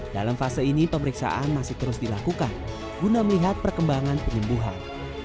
dalam fase ini pemeriksaan masih terus dilakukan guna melihat perkembangan penyembuhan